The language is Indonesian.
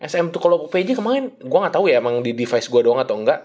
sm itu kalau pj kemarin gue gak tau ya emang di device gue doang atau enggak